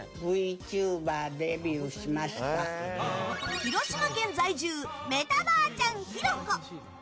広島県在住メタばあちゃん・ひろこ！